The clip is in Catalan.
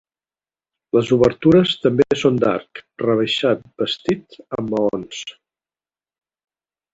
Les obertures també són d'arc rebaixat bastit amb maons.